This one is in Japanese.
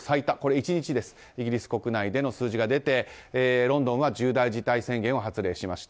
１日ですイギリス国内での数字が出てロンドンは重大事態宣言を発令しました。